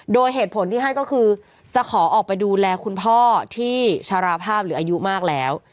โดยเหตุผลที่ให้ก็คือจะขอออกไปดูแลคุณพ่อที่ชราภาพหรืออายุมากแล้ว